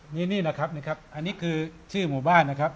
นี่นี่แหละครับนะครับอันนี้คือชื่อหมู่บ้านนะครับ